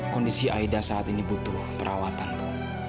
kondisi aida saat ini butuh perawatan bu